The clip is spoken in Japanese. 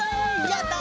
やった！